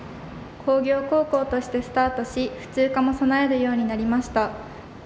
工業高校としてスタートし普通科も備えるようになりました。